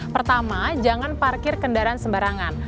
pertama jangan parkir kendaraan sembarangan